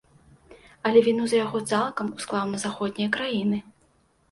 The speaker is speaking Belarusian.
Але віну за яго цалкам усклаў на заходнія краіны.